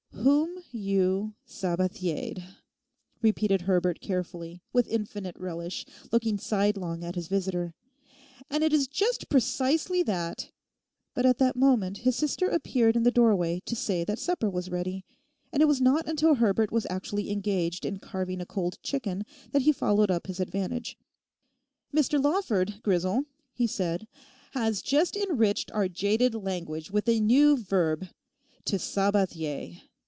'Whom—you—Sabathiered!' repeated Herbert carefully, with infinite relish, looking sidelong at his visitor. 'And it is just precisely that....' But at that moment his sister appeared in the doorway to say that supper was ready. And it was not until Herbert was actually engaged in carving a cold chicken that he followed up his advantage. 'Mr. Lawford, Grisel,' he said, 'has just enriched our jaded language with a new verb—to Sabathier.